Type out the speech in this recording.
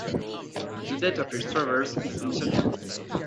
The date of his travels is uncertain.